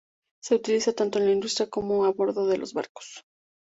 Se utiliza tanto en la industria como a bordo de los barcos.